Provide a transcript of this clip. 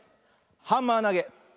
ハンマーなげ。